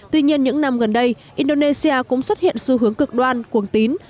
tuy nhiên những năm gần đây indonesia cũng xuất hiện xu hướng cực đoan cuồng tín